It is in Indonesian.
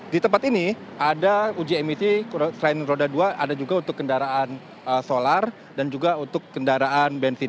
di tempat ini ada uji emisi selain roda dua ada juga untuk kendaraan solar dan juga untuk kendaraan bensin